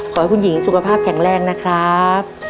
ขอให้คุณหญิงสุขภาพแข็งแรงนะครับ